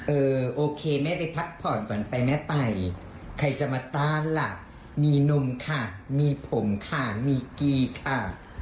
เออโอเคแม่ไปพักผ่อนก่อนไปแม่ไปใครจะมาต้านล่ะมีนมค่ะมีผมค่ะมีกีค่ะ